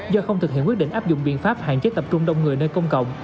do không thực hiện quyết định áp dụng biện pháp hạn chế tập trung đông người nơi công cộng